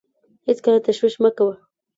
هېڅکله تشویش مه کوه .